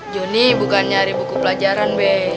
joni bukan nyari buku pelajaran be